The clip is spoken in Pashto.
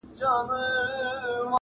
• د چا غوڅیږي پښې او لاسونه -